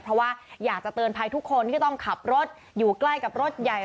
เพราะว่าอยากจะเตือนภัยทุกคนที่ต้องขับรถอยู่ใกล้กับรถใหญ่